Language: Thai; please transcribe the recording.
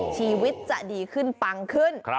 ชีวิตจะดีขึ้นปังขึ้น